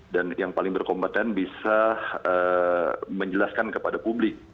dan yang paling berkompeten bisa menjelaskan kepada publik